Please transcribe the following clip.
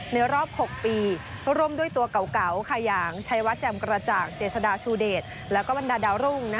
ในรอบ๖ปีร่วมด้วยตัวกัวเก่าค่ะอย่างชายวัดแจ่มกระจากเจษดาชูเดชและวันดาดาวรุ่ง